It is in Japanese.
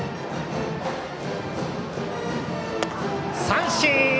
三振！